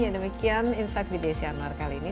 ya demikian insight with desi anwar kali ini